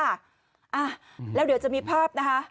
อ่ะแล้วเดี๋ยวจะมีภาพนะคะ